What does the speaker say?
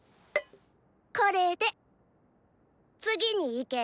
これで次にいける。